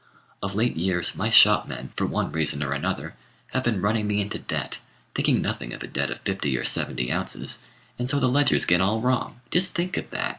Of late years my shopmen, for one reason or another, have been running me into debt, thinking nothing of a debt of fifty or seventy ounces; and so the ledgers get all wrong. Just think of that.